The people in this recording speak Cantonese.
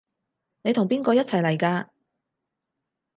你同邊個一齊嚟㗎？